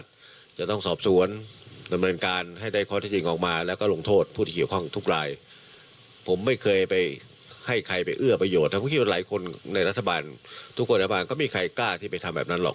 ทุกหน้าบ้านก็มีใครกล้าที่ไปทำแบบนั้นหรอก